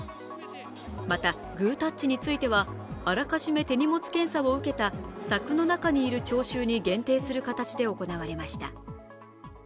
またグータッチについてはあらかじめ手荷物検査を受けた柵の中いる聴衆に限定する形で行われました。